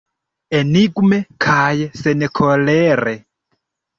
Enigme kaj senkolere.